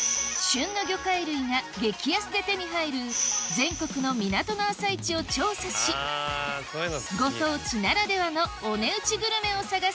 旬の魚介類が激安で手に入る全国の港の朝市を調査しご当地ならではのお値打ちグルメを探す